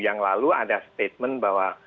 yang lalu ada statement bahwa